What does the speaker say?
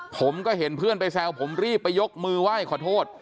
ผมก็เห็นเพื่อนไปแซวผมรีบไปยกมือไหว้ขอโทษ